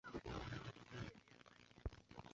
原先待避设备要设于地下化的等等力站。